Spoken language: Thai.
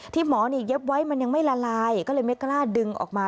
หมอนี่เย็บไว้มันยังไม่ละลายก็เลยไม่กล้าดึงออกมา